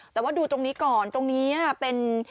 แต่ว่าดูตรงนี้ก่อนตรงนี้เป็น